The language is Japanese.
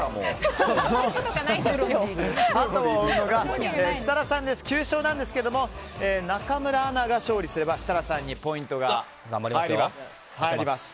後を追うのが設楽さんで９勝なんですが中村アナが勝利すれば設楽さんにポイントが入ります。